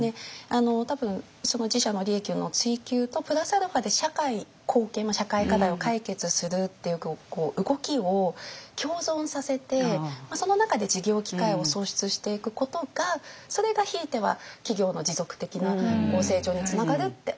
多分その自社の利益の追求とプラスアルファで社会貢献社会課題を解決するっていう動きを共存させてその中で事業機会を創出していくことがそれがひいては企業の持続的な成長につながるって思ってるんで。